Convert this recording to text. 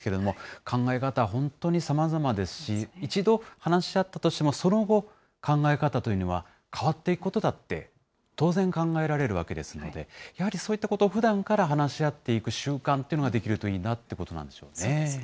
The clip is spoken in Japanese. ということで、やはり話し合っておくというのが大事ということなんですけども、考え方、本当にさまざまですし、一度、話し合ったとしても、その後、考え方というのは変わっていくことだって、当然、考えられるわけですので、やはりそういったことをふだんから話し合っていく習慣というのができるといいなということなんでしょうね。